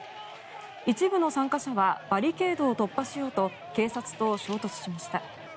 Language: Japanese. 一部の参加者はバリケードを突破しようと警察と衝突しました。